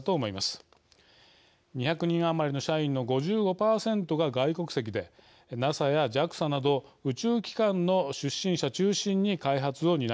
２００人余りの社員の５５％が外国籍でＮＡＳＡやＪＡＸＡなど宇宙機関の出身者中心に開発を担いました。